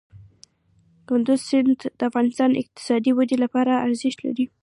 کندز سیند د افغانستان د اقتصادي ودې لپاره ارزښت لري.